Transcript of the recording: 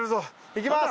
いきます！